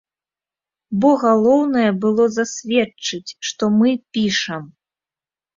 Бо галоўнае было засведчыць, што мы пішам.